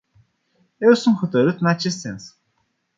Eu sunt hotărât în acest sens.